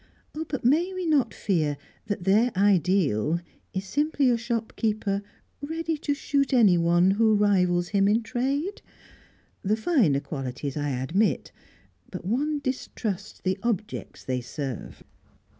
But may we not fear that their ideal is simply a shopkeeper ready to shoot anyone who rivals him in trade? The finer qualities I admit; but one distrusts the objects they serve."